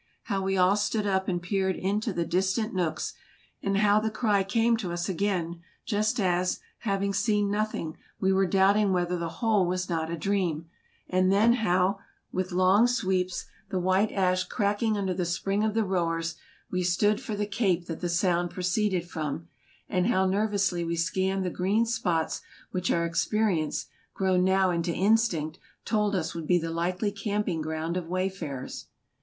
How we all stood up and peered into the distant nooks ; and how the cry came AMERICA 171 to us again, just as, having seen nothing, we were doubting whether the whole was not a dream ; and then how, with long sweeps, the white ash cracking under the spring of the rowers, we stood for the cape that the sound proceeded from, and how nervously we scanned the green spots which our experience, grown now into instinct, told us would be the likely camping ground of wayfarers.